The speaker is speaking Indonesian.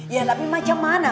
ya tapi macam mana